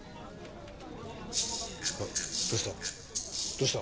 どうした？